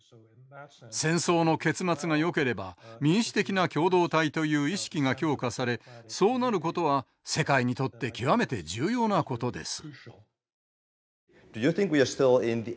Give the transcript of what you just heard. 戦争の結末がよければ民主的な共同体という意識が強化されそうなることは世界にとって極めて重要なことです。